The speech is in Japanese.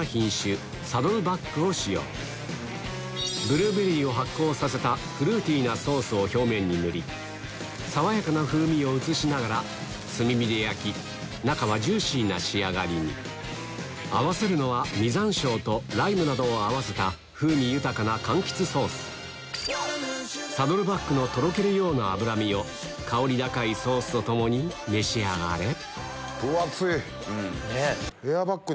オーダーフルーティーなソースを表面に塗り爽やかな風味を移しながら炭火で焼き中はジューシーな仕上がりに合わせるのは風味豊かなかんきつソースサドルバックのとろけるような脂身を香り高いソースと共に召し上がれ分厚い！